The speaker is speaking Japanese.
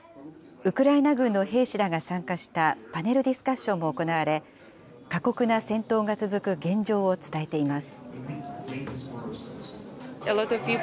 ウクライナ軍の兵士らが参加したパネルディスカッションも行われ、過酷な戦闘が続く現状を伝えています。